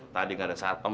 tadi gak ada saat pem